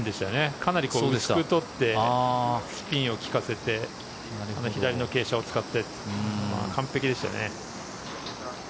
かなり薄く取ってスピンを利かせて左の傾斜を使って完璧でしたよね。